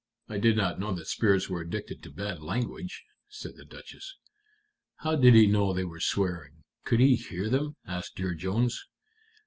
"I did not know that spirits were addicted to bad language," said the Duchess. "How did he know they were swearing? Could he hear them?" asked Dear Jones.